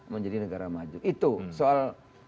menjadi negara maju itu soal